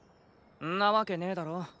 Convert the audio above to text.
んなわけねーだろ！